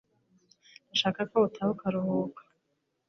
Ndashaka ko utaha ukaruhuka